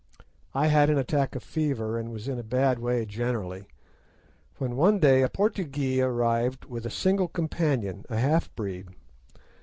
I had an attack of fever, and was in a bad way generally, when one day a Portugee arrived with a single companion—a half breed.